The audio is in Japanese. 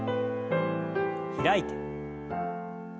開いて。